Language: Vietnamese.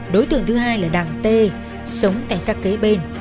đối tượng thứ hai là đảng t sống tại sắc kế bên